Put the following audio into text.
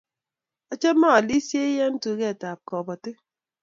Achame aalisyei eng' tuget ap kabotik.